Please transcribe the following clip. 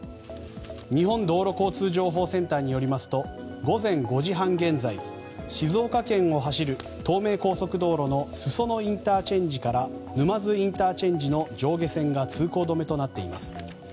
日本道路交通情報センターによりますと午前５時半現在静岡県を走る東名高速道路の裾野ＩＣから沼津ＩＣの上下線が通行止めとなっています。